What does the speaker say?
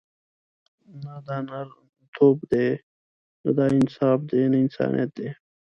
نه دا نرتوب دی، نه دا انصاف دی، نه انسانیت دی.